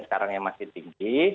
sekarang yang masih tinggi